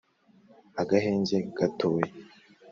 Agahenge gatoya